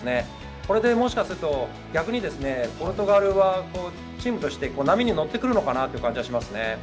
これでもしかすると逆に、ポルトガルはチームとして波に乗ってくるのかなと思いますね。